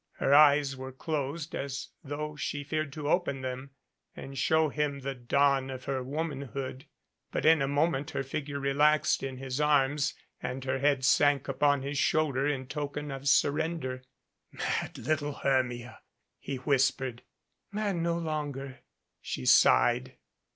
Her eyes were closed as though she feared to open them, and show him the dawn of her womanhood. But in a moment her figure relaxed in his arms and her head sank upon his shoulder in token of surrender. "Mad little Hermia !" he whispered. "Mad no longer," she sighed.